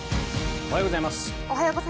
おはようございます。